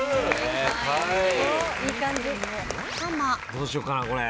どうしよっかなこれ。